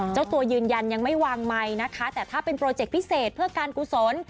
เจ้าตัวยืนยันยังไม่วางไมค์นะคะแต่ถ้าเป็นโปรเจคพิเศษเพื่อการกุศล